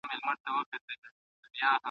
اندېښنه د کوچنیو اسټروېډونو لپاره ده.